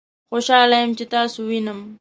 خوشحاله یم چې تاسو وینم